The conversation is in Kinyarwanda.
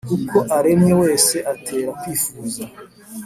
uko aremye wese atera kwifuza.